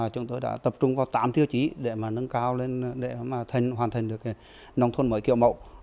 chúng tôi đã tập trung vào tám tiêu chí để mà nâng cao lên để mà hoàn thành được cái nông thôn mới kiểu mẫu